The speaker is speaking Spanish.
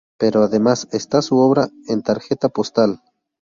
Pero además está su obra en tarjeta postal.